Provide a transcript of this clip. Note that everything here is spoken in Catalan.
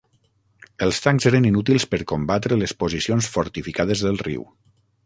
Els tancs eren inútils per combatre les posicions fortificades del riu.